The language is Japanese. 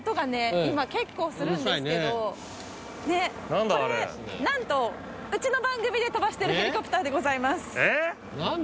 今結構するんですけどねっこれなんとうちの番組で飛ばしてるヘリコプターでございます何で？